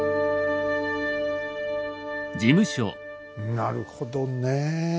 なるほどねえ。